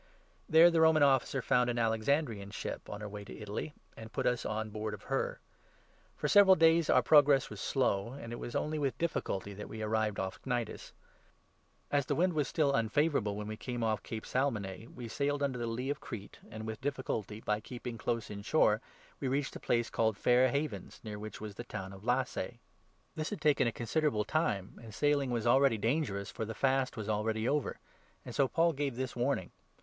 There the Roman Officer 6 found an Alexandrian ship on her way to Italy, and put us on board of her. For several days our progress was slow, and it 7 was only with difficulty that we arrived off Cnidus. As the wind was still unfavourable when we came off Cape Salmone, 268 THE ACTS, 27. we sailed under the lee of Crete , and with difficulty, by keeping 8 close in shore, we reached a place called ' Fair Havens,' near which was the town of Lasea. This had taken a considerable time, and sailing was already 9 dangerous, for the Fast was already over ; and so Paul gave this warning.